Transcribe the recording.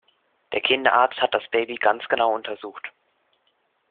Der Kinderarzt hat das Baby ganz genau untersucht.